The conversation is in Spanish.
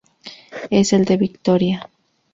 Es el de Victoria.